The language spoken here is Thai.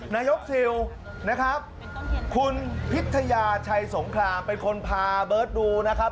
นายกซิลนะครับคุณพิทยาชัยสงครามเป็นคนพาเบิร์ตดูนะครับ